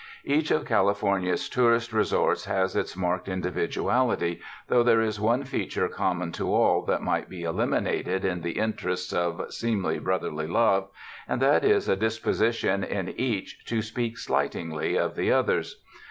Each of California's tourist resorts has its marked individuality, though there is one feature common to all that might be eliminated in the in terests of seemly brotherly love, and that is a dis position in each to speak slightingly of the others.